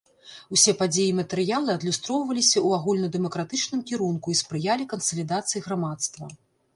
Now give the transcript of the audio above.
Усе падзеі і матэрыялы адлюстроўваліся ў агульнадэмакратычным кірунку і спрыялі кансалідацыі грамадства.